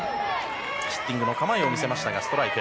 ヒッティングの構えを見せましたがストライク。